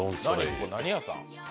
ここ何屋さん？